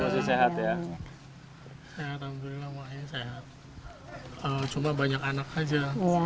sehat alhamdulillah cuma banyak anak aja